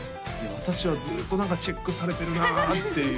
私はずっと何かチェックされてるなっていう